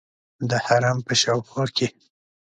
د حرم په شاوخوا کې.